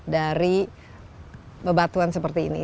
dari bebatuan seperti ini